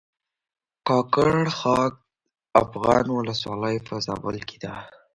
کاکړ خاک افغان ولسوالۍ په زابل کښې ده